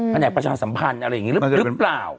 แหนกประชาสัมพันธ์อะไรอย่างนี้หรือเปล่า